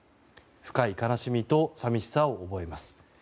深い悲しみと寂しさを覚えます。